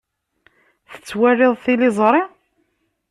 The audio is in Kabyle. Tettwaliḍ tiliẓri?